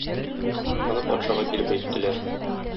Моны патшага килеп әйттеләр.